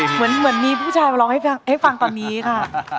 เหมือนมีผู้ชายมาร้องให้ฟังตอนนี้ค่ะ